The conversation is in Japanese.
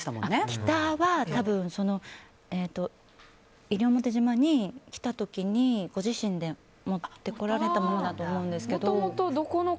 ギターは多分西表島に来た時にご自身で持ってこられたものだと思うんですけど。